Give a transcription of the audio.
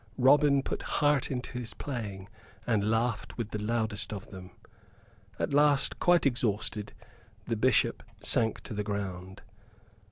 Robin put heart into his playing, and laughed with the loudest of them. At last, quite exhausted, the Bishop sank to the ground.